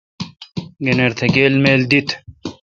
گنِر تہ گِل مِل دیت۔